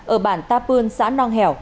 ở bản ta pương xã nong hèo